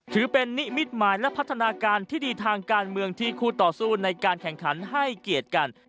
ถือเป็นนิมิตหมายและพัฒนาการที่ดีทางการเมืองที่คู่ต่อสู้ในการแข่งขันให้เกียรติกัน